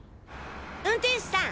運転手さん！